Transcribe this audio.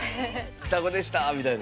双子でしたみたいな。